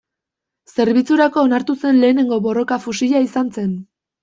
Zerbitzurako onartu zen lehenengo borroka fusila izan zen.